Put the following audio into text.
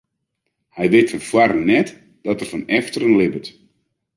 Hy wit fan foaren net dat er fan efteren libbet.